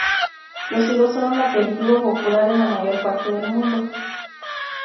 Los higos son un aperitivo popular en la mayor parte del mundo.